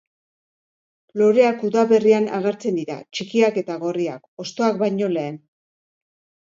Loreak udaberrian agertzen dira, txikiak eta gorriak, hostoak baino lehen.